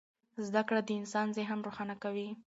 زده کړه د انسان ذهن روښانه کوي.